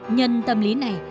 nhân tâm lý này